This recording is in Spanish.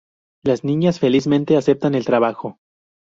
Las niñas felizmente aceptan el trabajo.